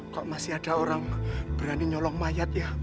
kok masih ada orang berani nyolong mayat ya